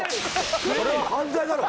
それは犯罪だろ。